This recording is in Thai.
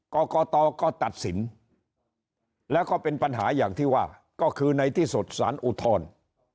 กรกตก็ตัดสินแล้วก็เป็นปัญหาอย่างที่ว่าก็คือในที่สุดสารอุทธรณ์